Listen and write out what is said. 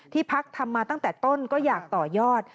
พักทำมาตั้งแต่ต้นก็อยากต่อยอด